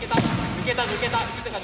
抜けた抜けた。